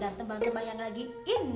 dan tembang tembang yang lagi in